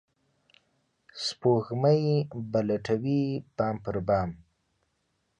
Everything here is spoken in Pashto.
سپوږمۍ به ولټوي بام پر بام